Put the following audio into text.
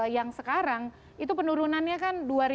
yang sekarang itu penurunannya